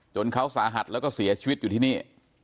เขาสาหัสแล้วก็เสียชีวิตอยู่ที่นี่